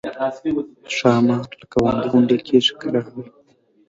ښامار لکه غونډی غونډی کېږي راغی.